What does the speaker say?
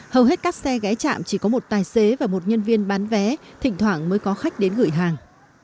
hầu hết các xe ghé chạm chỉ có một tài xế và một nhân viên bán vé thỉnh thoảng mới có khách đến gửi hàng